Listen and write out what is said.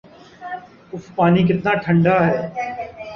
if پانی کتنا ٹھنڈا ہے